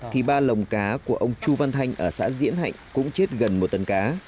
thì ba lồng cá của ông chu văn thanh ở xã diễn hạnh cũng chết gần một tấn cá